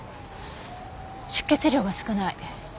出血量が少ない？